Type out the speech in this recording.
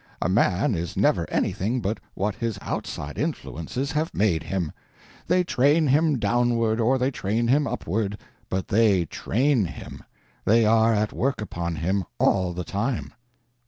A man is never anything but what his outside influences have made him. They train him downward or they train him upward—but they _train _him; they are at work upon him all the time.